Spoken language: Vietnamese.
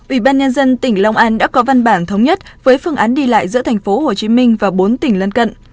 ubnd tỉnh long an đã có văn bản thống nhất với phương án đi lại giữa tp hcm và bốn tỉnh lân cận